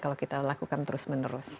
kalau kita lakukan terus menerus